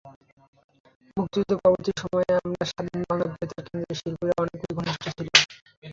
মুক্তিযুদ্ধ-পরবর্তী সময়েও আমরা স্বাধীন বাংলা বেতার কেন্দ্রের শিল্পীরা অনেক বেশি ঘনিষ্ঠ ছিলাম।